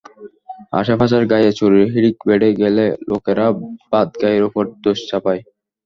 আশপাশের গাঁয়ে চুরির হিড়িক বেড়ে গেলে লোকেরা বাঁধগাঁয়ের ওপর দোষ চাপায়।